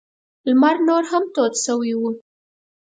لمر نور هم تود شوی و.